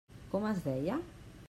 Com es deia?